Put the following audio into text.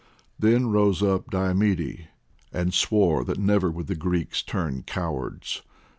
Then up rose Diomede, and swore that never would the Greeks turn cowards.